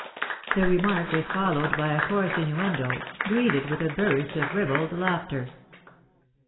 The remark was followed by a coarse innuendo, greeted with a burst of ribald laughter.